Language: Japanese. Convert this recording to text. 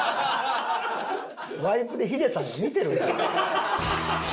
ワイプでヒデさんが見てる。